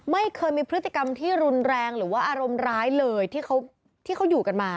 ไม่เคยมีพฤติกรรมที่รุนแรงหรือว่าอารมณ์ร้ายเลยที่เขาอยู่กันมา